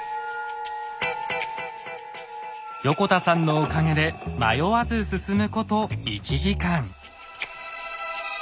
横田さんのおかげで迷わず進むこと１時間。